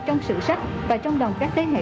trong sự sách và trong đồng các thế hệ